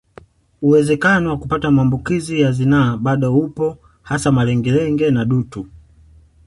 Uwezekano wa kupata maambukizi ya zinaa bado upo hasa malengelenge na dutu